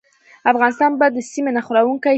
افغانستان به د سیمې نښلونکی شي؟